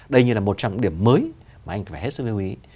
đây như là một trong những điểm mới mà anh phải hết sức lưu ý